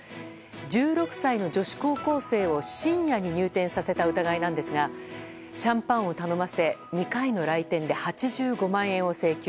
１６歳の女子高校生を深夜に入店させた疑いなんですがシャンパンを頼ませ２回の来店で８５万円を請求。